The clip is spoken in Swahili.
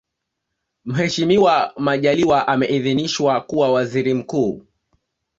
Mheshimiwa Majaliwa ameidhiniswa kuwa Waziri Mkuu